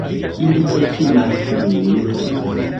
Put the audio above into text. Ili ne timas nin.